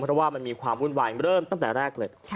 เพราะว่ามันมีความวุ่นวายเริ่มตั้งแต่แรกเลย